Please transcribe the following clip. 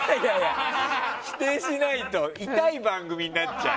否定しないと痛い番組だと思われちゃう。